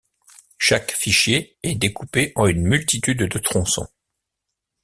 Chaque fichier est découpé en une multitude de tronçons.